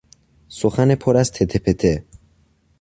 سخن پر از تته پته